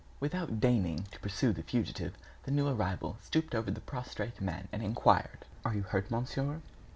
Without deigning to pursue the fugitive, the new arrival stooped over the prostrate man and inquired: "Are you hurt, monsieur?"